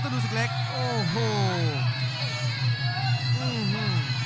กระดูกศึกเล็กโอ้โห